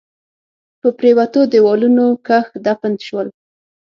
په پريوتو ديوالونو کښ دفن شول